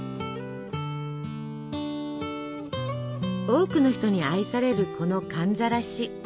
多くの人に愛されるこの寒ざらし。